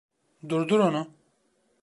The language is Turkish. Durdur onu!